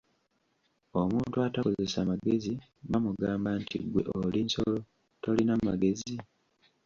Omuntu atakozesa magezi, bamugamba nti: "Ggwe oli nsolo, tolina magezi?"